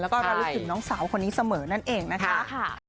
แล้วก็ระลึกถึงน้องสาวคนนี้เสมอนั่นเองนะคะ